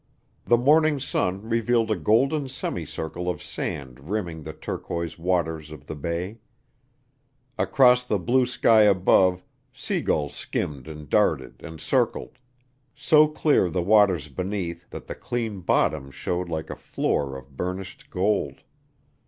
The morning sun revealed a golden semicircle of sand rimming the turquoise waters of the bay. Across the blue sky above seagulls skimmed and darted and circled; so clear the waters beneath that the clean bottom showed like a floor of burnished gold.